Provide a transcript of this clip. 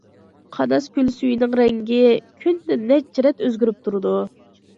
قاناس كۆلى سۈيىنىڭ رەڭگى كۈندە نەچچە رەت ئۆزگىرىپ تۇرىدۇ.